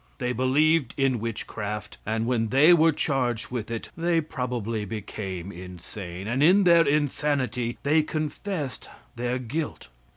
They believed in witchcraft, and when they were charged with it, they probably became insane, and in their insanity they confessed their guilt.